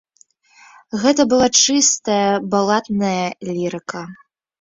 Гэта была чыстая баладная лірыка.